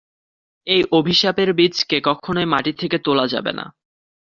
এই অভিশাপের বীজকে কখনোই মাটি থেকে তোলা যাবে না!